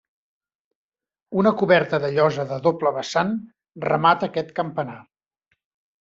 Una coberta de llosa de doble vessant remata aquest campanar.